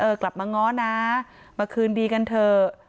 กลับมาง้อนะมาคืนดีกันเถอะ